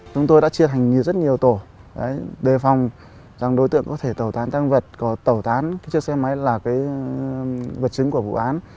chúng tôi đã chia thành rất nhiều tổ đề phòng rằng đối tượng có thể tẩu tán tăng vật tẩu tán chiếc xe máy là vật chứng của vụ án